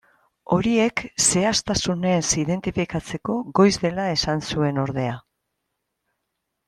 Horiek zehaztasunez identifikatzeko goiz dela esan zuen ordea.